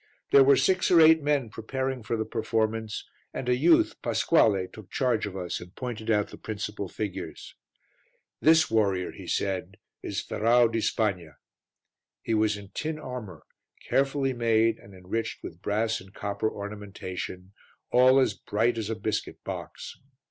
There were six or eight men preparing for the performance and a youth, Pasquale, took charge of us and pointed out the principal figures. "This warrior," he said, "is Ferrau di Spagna." He was in tin armour, carefully made and enriched with brass and copper ornamentation, all as bright as a biscuit box.